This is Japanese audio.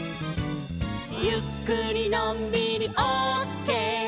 「ゆっくりのんびりオッケー」